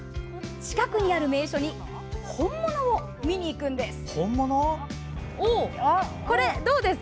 近くにある名所に本物を見に行くんです。